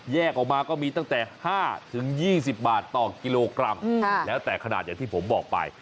ออกมาก็มีตั้งแต่๕๒๐บาทต่อกิโลกรัมแล้วแต่ขนาดอย่างที่ผมบอกไป